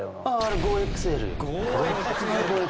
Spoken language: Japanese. ５ＸＬ？